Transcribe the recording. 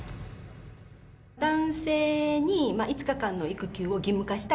男性に５日間の育休を義務化した。